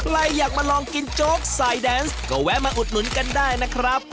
อยากมาลองกินโจ๊กสายแดนส์ก็แวะมาอุดหนุนกันได้นะครับ